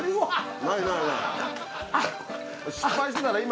ないないない。